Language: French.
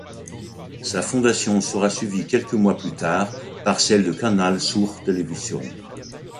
Sa fondation sera suivie quelques mois plus tard par celle de Canal Sur Televisión.